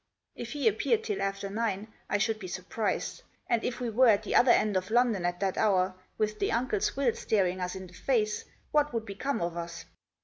If he appeared till after nine I should be surprised, and, if we were at the other end of London at that hour, with the uncle's will staring us in the face, what would become of us?